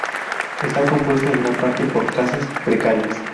Está compuesta en gran parte por casas precarias.